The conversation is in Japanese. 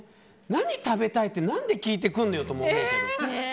何食べたい？って何で聞いてくるのよとも思うけど。